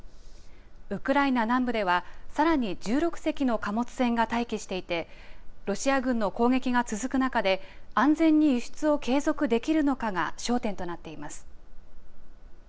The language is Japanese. ウクライナ南部では、さらに１６隻の貨物船が待機していてロシア軍の攻撃が続く中で安全に輸出を継続できるのかが焦点となっています。